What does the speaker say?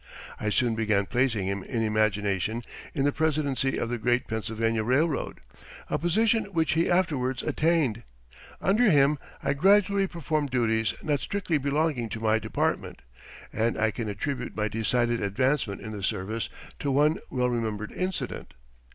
I soon began placing him in imagination in the presidency of the great Pennsylvania Railroad a position which he afterwards attained. Under him I gradually performed duties not strictly belonging to my department and I can attribute my decided advancement in the service to one well remembered incident.